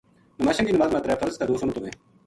نماشاں کی نماز ما ترے فرض تے دو سنت ہوویں۔